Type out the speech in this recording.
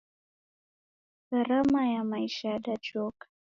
Gharama ya maisha yadajoka